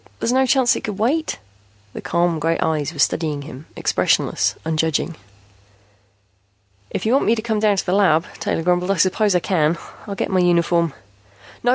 There's no chance it could wait?" The calm gray eyes were studying him, expressionless, unjudging. "If you want me to come down to the lab," Taylor grumbled, "I suppose I can. I'll get my uniform " "No.